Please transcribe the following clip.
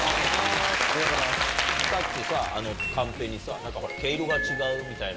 さっきさ、カンペになんかほら、毛色が違うみたいな。